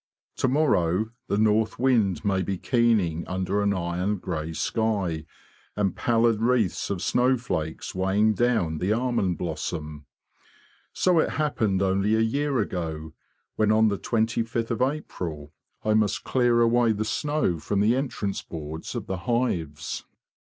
To morrow the north wind may be keening under an iron grey sky, and pallid wreaths of snow flakes weighing down the almond blossom. So it happened only a year ago, when on the twenty fifth of April I must clear away the snow from the entrance boards of the hives.